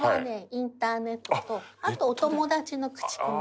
インターネットとあとお友達の口コミ。